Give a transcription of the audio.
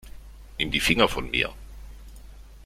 Nimm die Finger von mir.